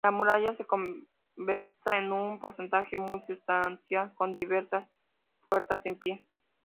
La muralla se conserva en un porcentaje muy sustancial con diversas puertas en pie.